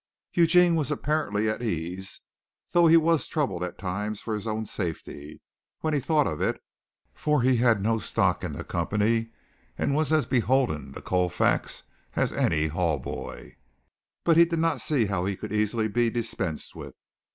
Eugene was apparently at ease, though he was troubled at times for his own safety, when he thought of it, for he had no stock in the company, and was as beholden to Colfax as any hall boy, but he did not see how he could easily be dispensed with.